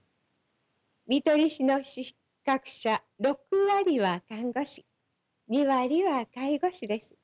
看取り士の資格者６割は看護師２割は介護士です。